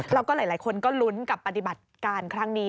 แล้วก็หลายคนก็ลุ้นกับปฏิบัติการครั้งนี้